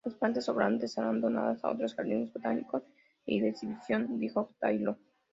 Las plantas sobrantes serán donadas a otros jardines botánicos y de exhibición, dijo Taylor.